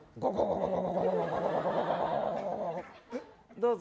どうぞ！